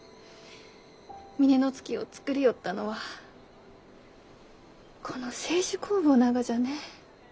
峰乃月を造りよったのはこの清酒酵母ながじゃね。